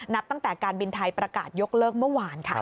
นับตั้งแต่การบินไทยประกาศยกเลิกเมื่อวานค่ะ